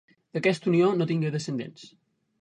D'aquesta unió no tingué descendents.